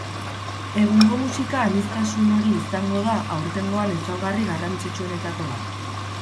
Egungo musika aniztasun hori izango da aurtengoan ezaugarri garrantzitsuenetako bat.